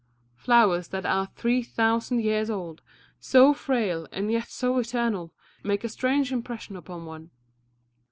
Flowers that are three thousand years old, so frail and yet so eternal, make a strange impression upon one.